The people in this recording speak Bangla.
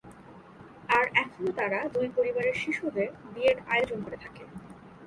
আর এখনো তারা দুই পরিবারের শিশুদের বিয়ের আয়োজন করে থাকে।